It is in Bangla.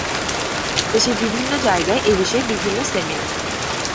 দেশের বিভিন্ন জায়গায় এ বিষয়ে বিভিন্ন সেমিনার